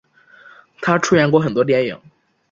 她出演过很多电影。